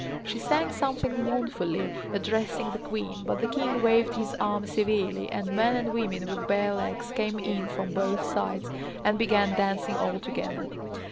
She sang something mournfully, addressing the queen, but the king waved his arm severely, and men and women with bare legs came in from both sides and began dancing all together.